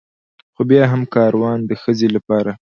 خو بيا هم کاروان د ښځې لپاره